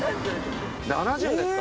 ７０ですか！